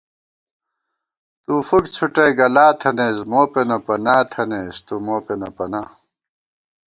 تُو فُک څھُٹَئ گلا تھنَئیس ، موپېنہ پنا تھنَئیس تُو مو پېنہ پنا